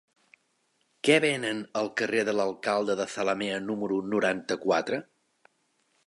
Què venen al carrer de l'Alcalde de Zalamea número noranta-quatre?